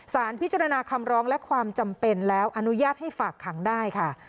สารพิจารณาคำร้องและความจำเป็นแล้วอนุญาตให้ฝากขังได้ค่ะ